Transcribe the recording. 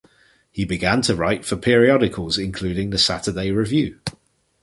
He began to write for periodicals including the "Saturday Review".